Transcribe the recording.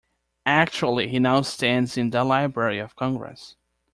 Actually, he now stands in The Library of Congress.